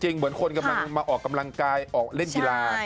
เหมือนคนกำลังมาออกกำลังกายออกเล่นกีฬา